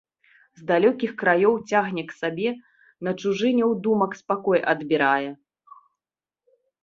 З далёкіх краёў цягне к сабе, на чужыне ў думак супакой адбірае.